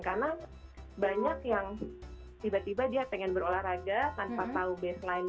karena banyak yang tiba tiba dia pengen berolahraga tanpa tahu baseline